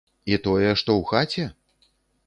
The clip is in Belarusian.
І тое, што ў хаце?